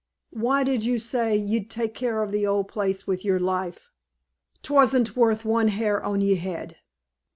'Why did you say ye'd take care of the old place with your life? 'Twasn't worth one hair on yer head.'